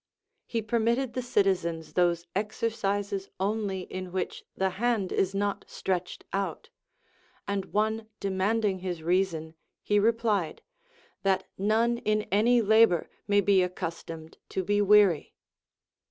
He permitted the citi zens those exercises only in which the hand is not stretched out ; and one demanding his reason, he replied, That none in any labor may be accustomed to be weary.